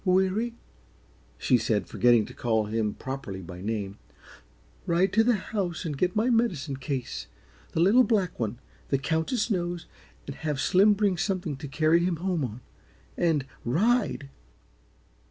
"Weary," she said, forgetting to call him properly by name, "ride to the house and get my medicine case the little black one. The Countess knows and have Slim bring something to carry him home on. And RIDE!"